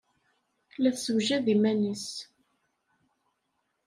La tessewjad iman-nnes.